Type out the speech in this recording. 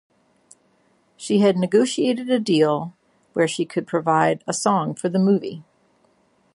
She had negotiated a deal where she would provide a song for the movie.